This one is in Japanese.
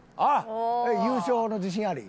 優勝の自信あり？